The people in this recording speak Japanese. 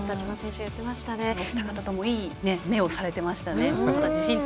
お二方ともいい目をされてましたね。